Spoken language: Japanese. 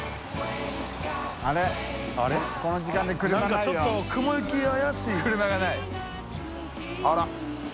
何かちょっと雲行き怪しい車がない